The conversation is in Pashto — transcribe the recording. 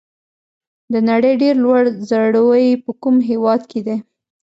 د نړۍ ډېر لوړ ځړوی په کوم هېواد کې دی؟